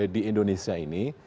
di indonesia ini